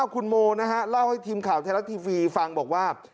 คุณโมนะฮะเล่าให้ทีมข่าวไทยรัฐทีวีฟังบอกว่า